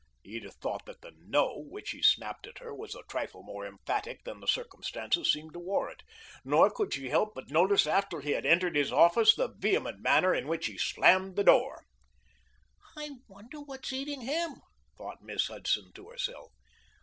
Edith thought that the "No" which he snapped at her was a trifle more emphatic than the circumstances seemed to warrant, nor could she help but notice after he had entered his office the vehement manner in which he slammed the door. "I wonder what's eating him," thought Miss Hudson to herself.